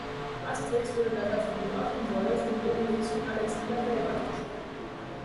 Asterix wurde dabei von Joachim Wolff und Obelix von Alexander Welbat gesprochen.